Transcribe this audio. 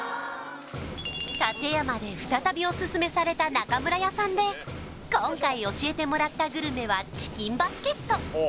館山で再びオススメされた中村屋さんで今回教えてもらったグルメはチキンバスケット